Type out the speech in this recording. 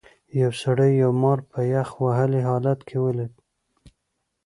یو سړي یو مار په یخ وهلي حالت کې ولید.